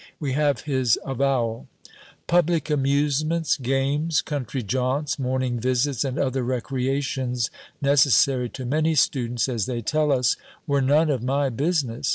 We have his avowal: "Public amusements, games, country jaunts, morning visits, and other recreations necessary to many students, as they tell us, were none of my business.